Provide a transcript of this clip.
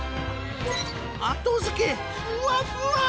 後付けふわふわ！